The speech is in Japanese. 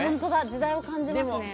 時代を感じますね。